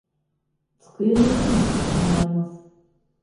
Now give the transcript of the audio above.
机の下にかばんがあります。